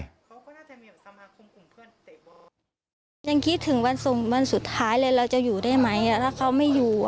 ยังคิดถึงวันส่งวันสุดท้ายเลยเราจะอยู่ได้ไหมถ้าเขาไม่อยู่